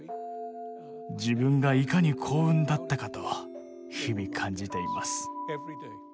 自分がいかに幸運だったかと日々感じています。